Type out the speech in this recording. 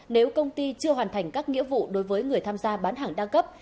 nếu công ty chưa hoàn thành các nghĩa vụ đối với người tham gia bán hàng đa cấp